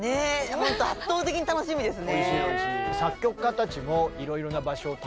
ほんと圧倒的に楽しみですね。